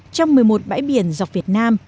trong một mươi một bãi biển dọc việt nam